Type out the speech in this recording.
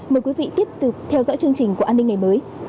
mời quý vị tiếp tục theo dõi chương trình của an ninh ngày mới